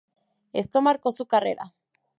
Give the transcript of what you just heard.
Esto marcó su carrera.